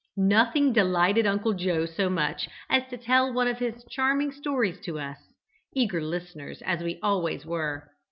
Nothing delighted Uncle Joe so much as to tell one of his charming stories to us, eager listeners as we always were.